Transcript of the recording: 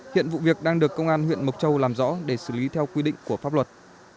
hiện vụ việc đang được công an huyện mộc châu làm rõ để xử lý theo quy định của pháp luật